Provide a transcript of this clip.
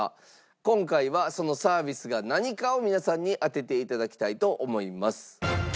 今回はそのサービスが何かを皆さんに当てていただきたいと思います。